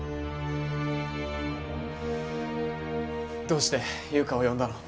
どうして優香を呼んだの？